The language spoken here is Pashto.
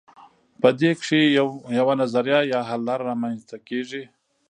په دې کې یوه نظریه یا حل لاره رامیینځته کیږي.